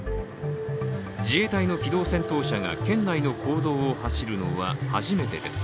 自衛隊の機動戦闘車が県内の公道を走るのは初めてです。